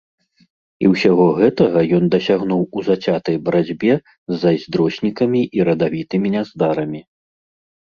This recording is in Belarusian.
І ўсяго гэтага ён дасягнуў у зацятай барацьбе з зайздроснікамі і радавітымі няздарамі.